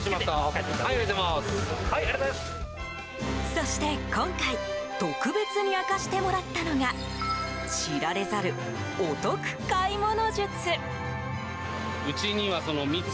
そして今回特別に明かしてもらったのが知られざるお得買い物術。